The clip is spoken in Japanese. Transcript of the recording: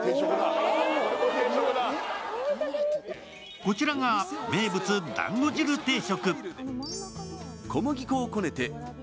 こちらが名物だんご汁定食。